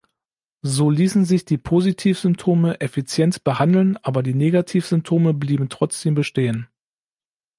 So ließen sich die Positiv-Symptome effizient behandeln, aber die Negativ-Symptome blieben trotzdem bestehen.